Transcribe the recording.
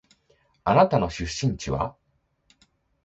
あなたの出身地は？